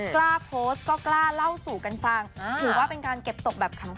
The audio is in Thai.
กล้าโพสต์ก็กล้าเล่าสู่กันฟังถือว่าเป็นการเก็บตกแบบขำ